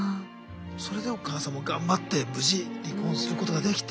それでお母さんも頑張って無事離婚することができて。